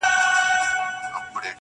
تر مېلې وروسته کثافات